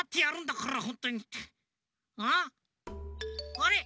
あれ？